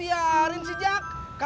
iya kay tunggu dulu